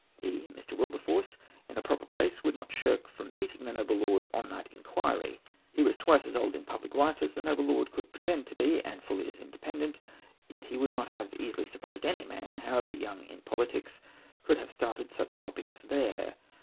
He (Mr. Wilberforce), in a proper place, would not shrink from meeting the noble lord on that inquiry; he was twice as old in public life as the noble lord could pretend to be, and fully as independent; yet he would not have easily supposed any man, however young in politics, could have started such topics there.